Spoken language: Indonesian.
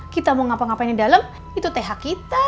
kita mau ngapa ngapain di dalam itu th kita